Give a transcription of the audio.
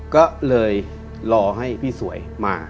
ก็เลยรอให้พี่สวยมา